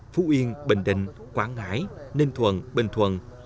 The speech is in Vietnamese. phú yên bình định quảng ngãi ninh thuận bình thuận